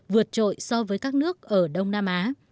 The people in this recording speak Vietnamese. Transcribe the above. vượt trội so với các nước ở đông nam á